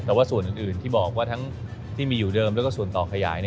แต่ว่าส่วนอื่นที่บอกว่าทั้งที่มีอยู่เดิมแล้วก็ส่วนต่อขยาย